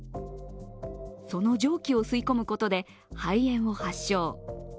その蒸気を吸い込むことで肺炎を発症。